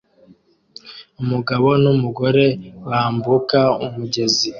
Umugabo n'umugore bambuka umugezi